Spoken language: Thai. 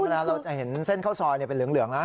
เวลาเราจะเห็นเส้นข้าวซอยเป็นเหลืองนะ